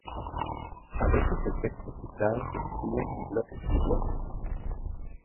A veces el texto cifrado se escribe en bloques de igual longitud.